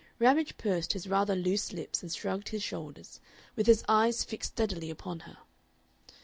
Ramage pursed his rather loose lips and shrugged his shoulders, with his eyes fixed steadily upon her.